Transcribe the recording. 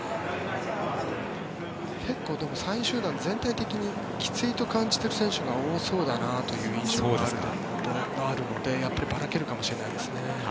結構３位集団、全体的にきついと感じている選手が多そうだなという印象があるのでやっぱりばらけるかもしれないですね。